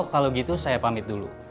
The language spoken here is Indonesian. kalau gitu saya pamit dulu